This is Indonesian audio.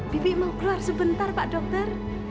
bibi mau keluar sebentar pak dokter